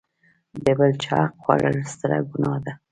د بل چاحق خوړل ستره ګناه ده.